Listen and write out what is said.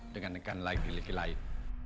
dengan rekan laki laki lain